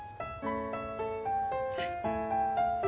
はい。